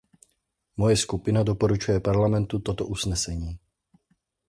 Moje skupina doporučuje Paramentu toto usnesení.